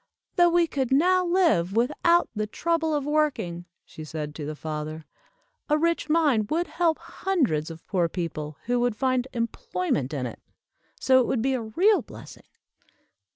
"Though we could now live without the trouble of working," she said to the father, "a rich mine would help hundreds of poor people, who would find employment in it. So it would be a real blessing."